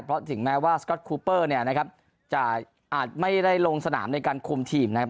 เพราะถึงแม้ว่าเนี่ยนะครับจะอาจไม่ได้ลงสนามในการควมทีมนะครับ